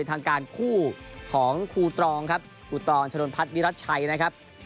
ทางคู่ตรองครับคู่ตรองชนพัฒน์วิรัตชัยนะครับ